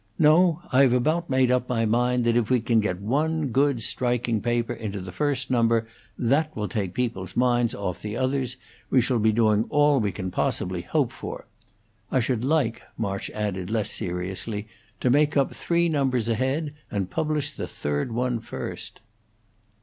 No; I've about made up my mind that if we can get one good striking paper into the first number that will take people's minds off the others, we shall be doing all we can possibly hope for. I should like," March added, less seriously, "to make up three numbers ahead, and publish the third one first."